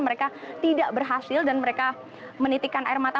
mereka tidak berhasil dan mereka menitikan air mata